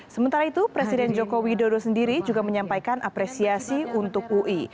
sementara itu presiden joko widodo sendiri juga menyampaikan apresiasi untuk ui